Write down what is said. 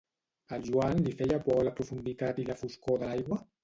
Al Joan li feia por la profunditat i la foscor de l'aigua?